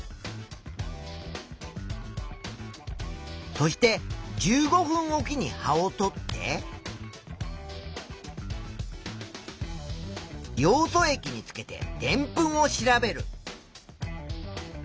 そして１５分おきに葉をとってヨウ素液につけてでんぷんを調べる。